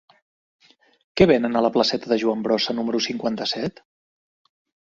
Què venen a la placeta de Joan Brossa número cinquanta-set?